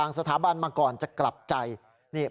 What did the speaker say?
ยังหายใจใช่ไหม